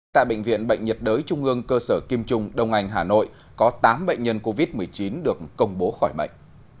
tại bệnh viện bệnh nhiệt đới trung ương cơ sở kim trung đông anh hà nội có tám bệnh nhân covid một mươi chín được công bố khỏi bệnh